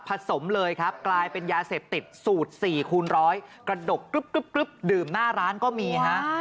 สมเลยครับกลายเป็นยาเสพติดสูตร๔คูณร้อยกระดกกรึ๊บดื่มหน้าร้านก็มีฮะ